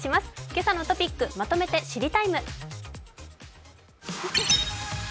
「けさのトピックまとめて知りＴＩＭＥ，」。